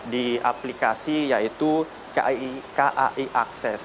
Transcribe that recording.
di aplikasi yaitu kai akses